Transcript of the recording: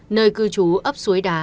nơi cư trú ấp suối đá